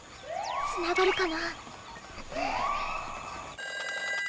つながるかな？